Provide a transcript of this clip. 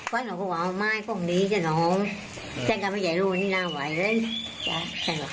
ก็หนูก็ว่าว่าไม่พร้อมดีจ้ะน้องแจ้งกับใหญ่ลูกนี้น่าไหวเลย